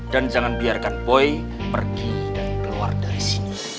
dan jangan biarkan boy pergi dan keluar dari sini